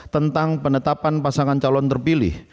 tentang penetapan pasangan calon terpilih